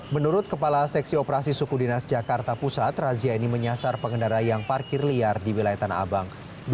menurut kepala seksi operasi suku dinas jakarta pusat razia ini menyasar pengendara yang parkir liar di wilayah tanah abang